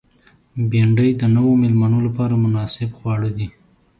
بېنډۍ د نوو مېلمنو لپاره مناسب خواړه دي